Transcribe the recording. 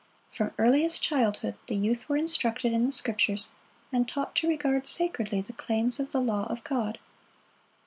From earliest childhood the youth were instructed in the Scriptures, and taught to regard sacredly the claims of the law of God.